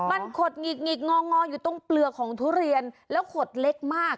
มันขดหงิกงองออยู่ตรงเปลือกของทุเรียนแล้วขดเล็กมาก